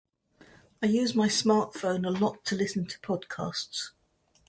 I use my smartphone a lot to listen to podcasts